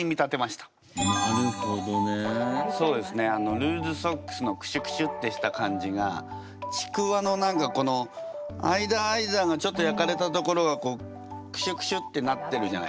ルーズソックスのクシュクシュってした感じがちくわの何かこの間間のちょっと焼かれたところがクシュクシュってなってるじゃないですか。